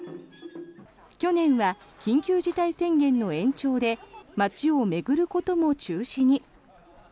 去年は緊急事態宣言の延長で街を巡ることも中止に。